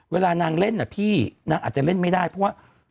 เวลานางเล่นนะพี่นางอาจจะเล่นไม่ได้เพราะว่า